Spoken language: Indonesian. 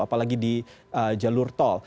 apalagi di jalur tol